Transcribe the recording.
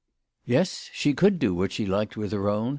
Yes ; she could do what she liked with her own.